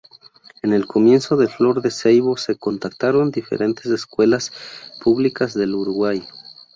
En el comienzo de Flor de Ceibo se contactaron diferentes escuelas públicas del Uruguay.